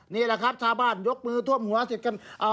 นี่แหละครับชาวบ้านยกมือท่วมหัวเสร็จกัน